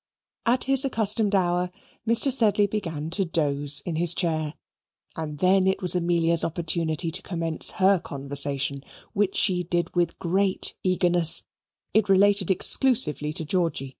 At his accustomed hour Mr. Sedley began to doze in his chair, and then it was Amelia's opportunity to commence her conversation, which she did with great eagerness it related exclusively to Georgy.